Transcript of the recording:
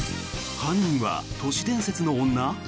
犯人は都市伝説の女？